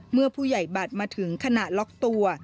เมื่อผู้ใหญ่บัตรมาถึงขณะล็อกตัว